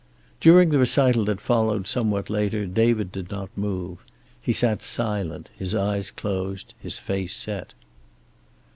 During the recital that followed somewhat later David did not move. He sat silent, his eyes closed, his face set.